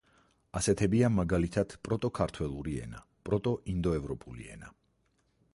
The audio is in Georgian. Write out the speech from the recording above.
ასეთებია მაგალითად პროტო-ქართველური ენა, პროტო-ინდოევროპული ენა.